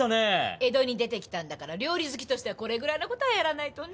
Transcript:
江戸に出てきたんだから料理好きとしてはこれぐらいのことはやらないとね。